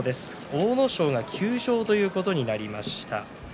阿武咲が休場ということになりました。